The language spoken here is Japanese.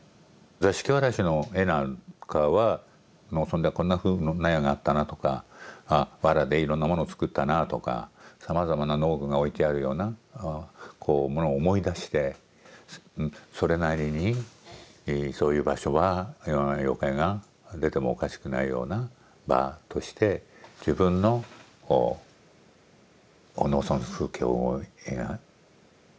座敷童子の絵なんかは農村ではこんなふうの納屋があったなとかわらでいろんなものを作ったなとかさまざまな農具が置いてあるようなこうものを思い出してそれなりにそういう場所は妖怪が出てもおかしくないような場として自分の農村風景を描いたんだと思うんですね。